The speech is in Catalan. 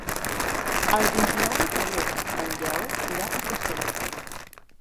El vint-i-nou de febrer en Lleó irà a Picassent.